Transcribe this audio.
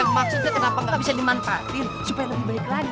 maksudnya kenapa nggak bisa dimanfaatin supaya lebih baik lagi